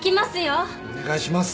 お願いします。